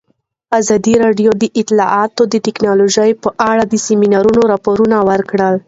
ازادي راډیو د اطلاعاتی تکنالوژي په اړه د سیمینارونو راپورونه ورکړي.